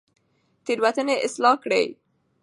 تېروتنې اصلاح کړئ.